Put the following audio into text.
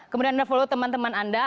kemudian anda follow teman teman anda